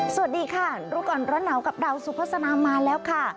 สวัสดีค่ะรู้ก่อนร้อนหนาวกับดาวสุภาษามาแล้วค่ะ